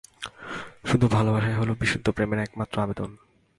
শুধু ভালবাসাই হল বিশুদ্ধ প্রেমের একমাত্র আবেদন।